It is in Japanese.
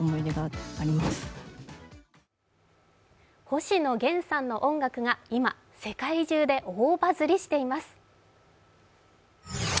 星野源さんの音楽が今世界中で大バズりしています。